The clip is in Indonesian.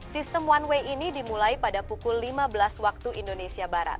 sistem one way ini dimulai pada pukul lima belas waktu indonesia barat